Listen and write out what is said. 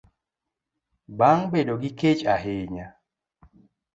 bang' bedo gi kech ahinya.